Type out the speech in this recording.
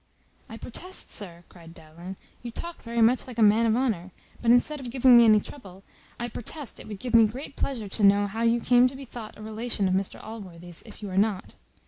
"I protest, sir," cried Dowling, "you talk very much like a man of honour; but instead of giving me any trouble, I protest it would give me great pleasure to know how you came to be thought a relation of Mr Allworthy's, if you are not.